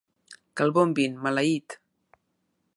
Que el bombin, maleït!